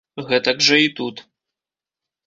Гэтак жа і тут.